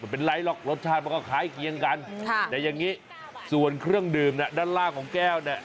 เป็นไรหรอกรสชาติเหมือนกันแต่อย่างงี้ส่วนครึ่งดื่มด้านล่างของแก้วน่ะ